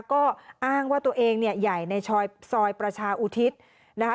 ก็อ้างว่าตัวเองเนี่ยใหญ่ในซอยประชาอุทิศนะคะ